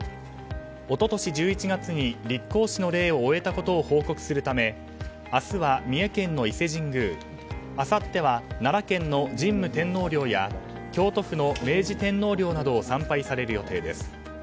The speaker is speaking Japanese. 一昨年１１月に立皇嗣の礼を終えたことを報告するため明日は三重県の伊勢神宮あさっては奈良県の神武天皇陵や京都府の明治天皇陵などを参拝される予定です。